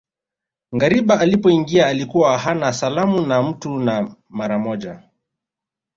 Ngariba alipoingia alikuwa hana salamu na mtu na mara moja